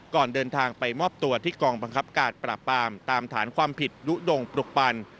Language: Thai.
ก่อนเดินทางไปมอบตัวที่กองบังคับการปราบปามตามฐานความผิดลุดงปลุกปัน